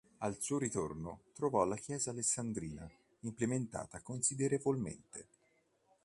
Al suo ritorno trovò la Chiesa alessandrina implementata considerevolmente.